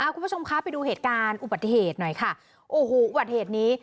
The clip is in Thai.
คุณผู้ชมคะไปดูเหตุการณ์อุบัติเหตุหน่อยค่ะโอ้โหอุบัติเหตุนี้